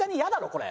これ。